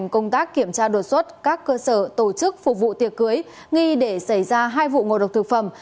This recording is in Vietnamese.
công tác kiểm tra đột xuất các cơ sở tổ chức phục vụ tiệc cưới nghi để xảy ra hai vụ ngộ độc thực phẩm